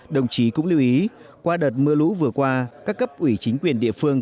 đồng chí cũng lưu ý qua đợt mưa lũ vừa qua các cấp ủy chính quyền địa phương